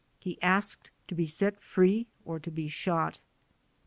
He asked to be set free or to be shot.